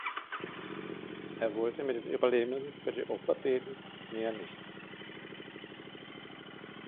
Er wollte mit den Überlebenden für die Opfer beten, mehr nicht.